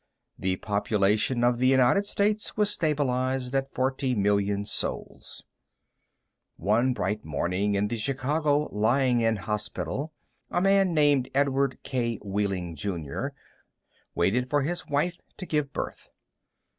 The population of the United States was stabilized at forty million souls. One bright morning in the Chicago Lying in Hospital, a man named Edward K. Wehling, Jr., waited for his wife to give birth.